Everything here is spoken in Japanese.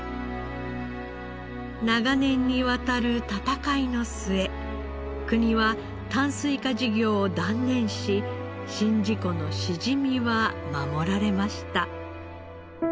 長年にわたる闘いの末国は淡水化事業を断念し宍道湖のしじみは守られました。